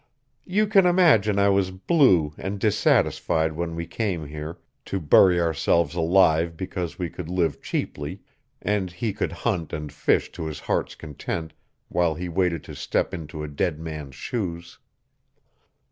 "You can imagine I was blue and dissatisfied when we came here, to bury ourselves alive because we could live cheaply, and he could hunt and fish to his heart's content while he waited to step into a dead man's shoes.